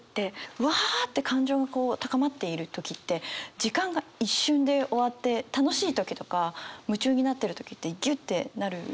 わあって感情がこう高まっている時って時間が一瞬で終わって楽しい時とか夢中になってる時ってぎゅってなる。